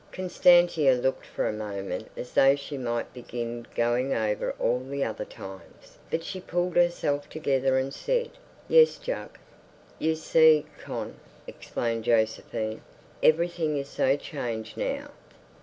Constantia looked for a moment as though she might begin going over all the other times, but she pulled herself together and said, "Yes, Jug." "You see, Con," explained Josephine, "everything is so changed now."